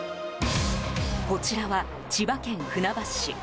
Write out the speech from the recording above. こちらは、千葉県船橋市。